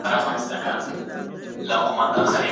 شاګرد به د لوړ ږغ سره پاڼه ړنګه کړي.